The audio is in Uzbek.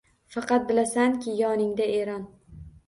Faqat bilasanki — yoningda Eron.